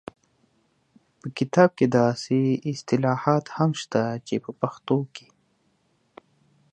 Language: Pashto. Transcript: په کتاب کې داسې اصطلاحات هم شته چې په پښتو کې